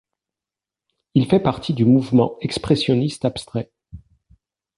Il fait partie du mouvement expressionniste abstrait.